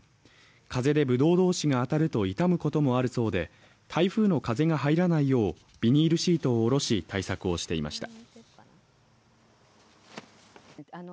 風でぶどう同士が当たると傷むこともあるそうで台風の風が入らないようビニールシートを下ろし対策をしていました。